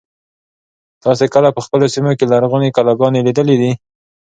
تاسې کله په خپلو سیمو کې لرغونې کلاګانې لیدلي دي.